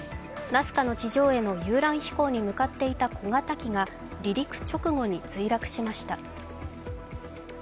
ナスカの地上絵への遊覧飛行へ向かっていた小型機が離陸直後に墜落しました。